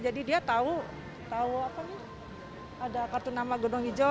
jadi dia tahu tahu apa nih ada kartu nama gunung hijau